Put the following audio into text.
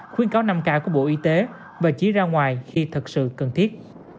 khuyến cáo năm k của bộ y tế và chỉ ra ngoài khi thật sự cần thiết